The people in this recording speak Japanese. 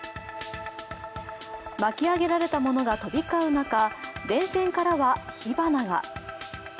巻き上げられたものが飛び交う中、電線からは火花が。